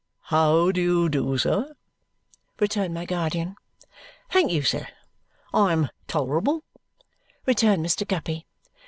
"How do you do, sir?" returned my guardian. "Thank you, sir, I am tolerable," returned Mr. Guppy.